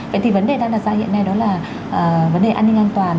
vậy thì vấn đề đang đặt ra hiện nay đó là vấn đề an ninh an toàn